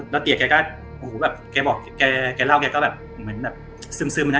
แล้วเตี๋ยแกก็แบบแกเล่าแกก็แบบเหมือนแบบซึมแบบนั้น